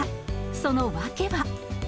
その訳は。